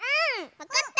わかった！